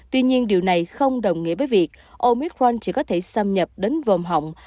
tuy nhiên điều này không đồng nghĩa với việc omicron chỉ có thể xâm nhập đến vòng hỏng